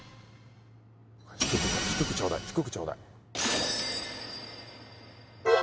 低く低くちょうだい低くちょうだいうわ！